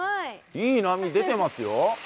いい波出てますよ。